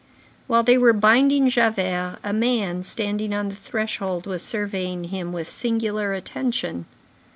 While they were binding Javert, a man standing on the threshold was surveying him with singular attention.